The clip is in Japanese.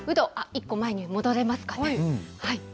１個前に戻れますかね？